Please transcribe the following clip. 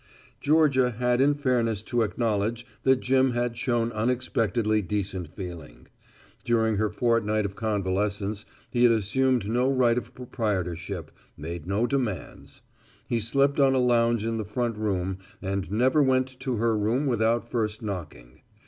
Georgia had in fairness to acknowledge that Jim had shown unexpectedly decent feeling. During her fortnight of convalescence he had assumed no right of proprietorship, made no demands. He slept on a lounge in the front room and never went to her room without first knocking.